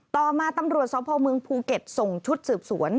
ต่อมาตำรวจสพเมืองภูเก็ตส่งชุดสืบสวน